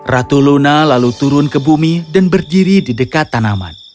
ratu luna lalu turun ke bumi dan berdiri di dekat tanaman